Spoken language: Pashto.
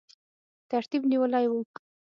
ترتیب نیولی وو.